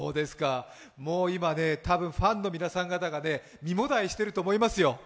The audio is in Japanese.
もう今、多分ファンの皆さん方が身もだえしてると思いますよ。